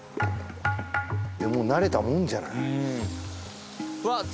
もう慣れたもんじゃないうん